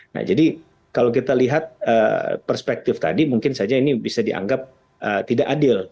nah jadi kalau kita lihat perspektif tadi mungkin saja ini bisa dianggap tidak adil